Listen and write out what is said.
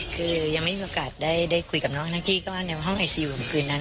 คือยังไม่มีโอกาสได้คุยกับน้องทั้งกี้ก็ว่าในห้องไอซียูของคืนนั้น